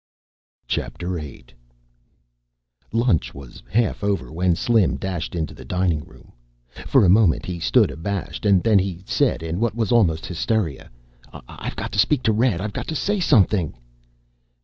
VIII Lunch was half over when Slim dashed into the dining room. For a moment, he stood abashed, and then he said in what was almost hysteria, "I've got to speak to Red. I've got to say something."